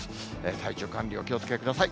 体調管理、お気をつけください。